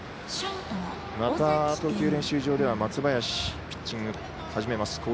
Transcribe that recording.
また投球練習場では松林、ピッチング始めます。